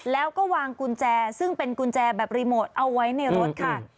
แล้วก็วางกุญแจซึ่งเป็นกุญแจแบบรีโมทเอาไว้ในรถค่ะ